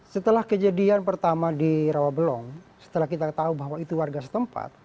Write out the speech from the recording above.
setelah kejadian pertama di rawabelong setelah kita tahu bahwa itu warga setempat